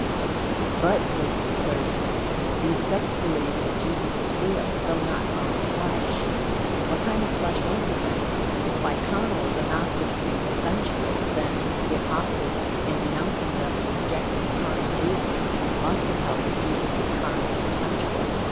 "But," pleads the clergyman, "these sects believed that Jesus was real, though not carnal flesh." What kind of flesh was he then? If by carnal the Gnostics meant 'sensual,' then, the apostles in denouncing them for rejecting a carnal Jesus, must have held that Jesus was carnal or sensual.